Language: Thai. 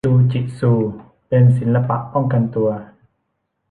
จูจิซูเป็นศิลปะป้องกันตัว